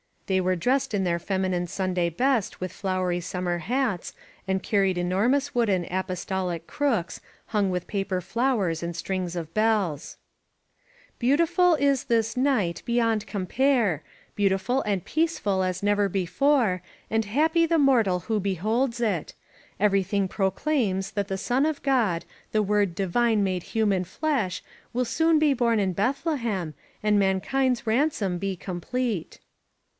They were dressed in their feminine Sunday best with flowery summer hats, and carried enormous wooden apostolic crooks, hung with paper flowers and strings of bells. S21 INSURGENT MEXICO ''Beautiful i$ this night bej/and compare, —> Beautiful and peaceful a$ never before. And happy the mortal who beholds it. Everything proclaims that the Son of Cfod, The Word Divine made human flesh, Wm soon be bom in Bethlehem And Tnankind's ransom be complete.